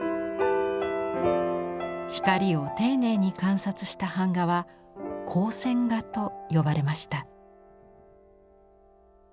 光を丁寧に観察した版画は「光線画」と呼ばれました。